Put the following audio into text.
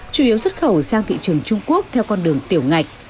chủ yếu xuất khẩu sang thị trường trung quốc theo con đường tiểu ngạch